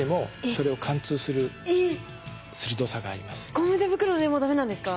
ゴム手袋でも駄目なんですか？